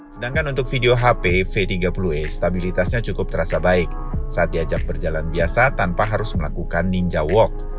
sedangkan untuk video hpv tiga puluh e stabilitasnya cukup terasa baik saat diajak berjalan biasa tanpa harus melakukan ninja walk